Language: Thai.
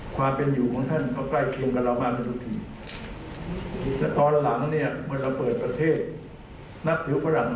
พวกเราหลายคนนับถือฝรั่งมากกว่านับถือพระ